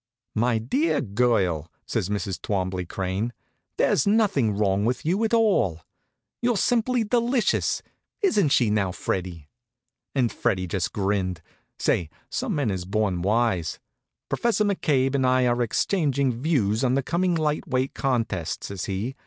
"My dear girl," says Mrs. Twombley Crane, "there's nothing wrong with you at all. You're simply delicious. Isn't she, now, Freddie?" And Freddie just grinned. Say, some men is born wise. "Professor McCabe and I are exchanging views on the coming light weight contest," says he.